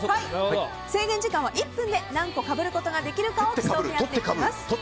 制限時間は１分で何個かぶることができるかを競い合っています。